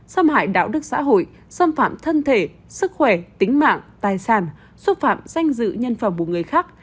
xâm hại đạo đức xã hội xâm phạm thân thể sức khỏe tính mạng tài sản xúc phạm danh dự nhân phẩm của người khác